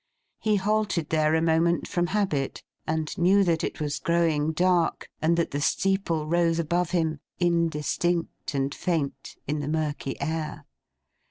He halted there a moment, from habit: and knew that it was growing dark, and that the steeple rose above him, indistinct and faint, in the murky air.